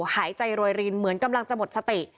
หายใจโรยรินเหมือนกำลังจะหมดสติ